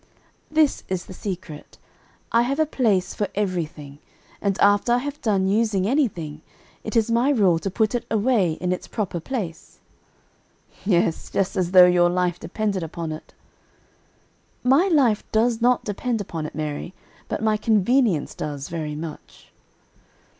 "This is the secret. I have a place for everything, and after I have done using anything, it is my rule to put it away in its proper place." "Yes, just as though your life depended upon it." "My life does not depend upon it, Mary, but my convenience does very much."